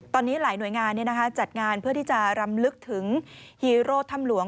ตอนนี้หลายหน่วยงานจัดงานเพื่อที่จะรำลึกถึงฮีโร่ถ้ำหลวง